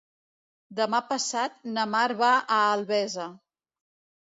Demà passat na Mar va a Albesa.